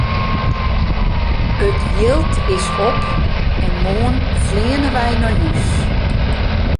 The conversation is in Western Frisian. It jild is op en moarn fleane wy nei hús!